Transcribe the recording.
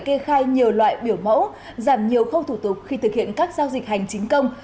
kê khai nhiều loại biểu mẫu giảm nhiều khâu thủ tục khi thực hiện các giao dịch hành chính công